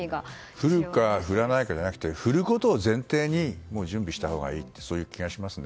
降るか降らないかじゃなくて降ることを前提に準備したほうがいいという気がしますね。